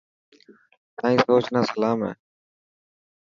تائن سوچ نا سلام هي.